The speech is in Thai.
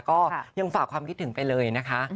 ก็ยังฝากความคิดถึงไปเลยนะคะ